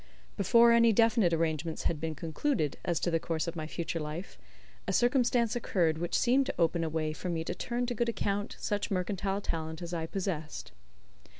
Before any definite arrangements had been concluded as to the course of my future life, a circumstance occurred which seemed to open a way for me to turn to good account such mercantile talent as I possessed.